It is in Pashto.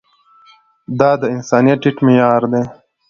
دا د انسانيت ټيټ معيار دی.